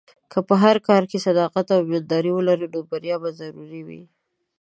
که په هر کار کې صداقت او ایمانداري ولرې، نو بریا به ضرور وي.